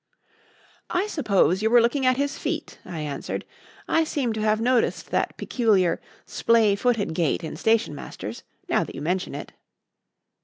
"I suppose you were looking at his feet," I answered. "I seem to have noticed that peculiar, splay footed gait in stationmasters, now that you mention it."